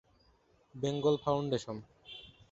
Bengal foundation.